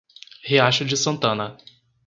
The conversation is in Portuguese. Riacho de Santana